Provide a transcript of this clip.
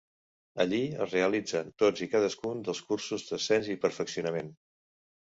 Allí es realitzen tots i cadascun dels cursos d'ascens i perfeccionament.